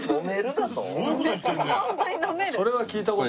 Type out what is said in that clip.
それは聞いた事ない。